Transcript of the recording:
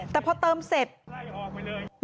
แต่พอเติมเสร็จ